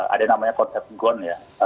ada namanya konsep gon ya